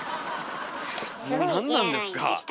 もうなんなんですか。